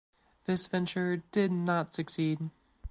This venture did not succeed.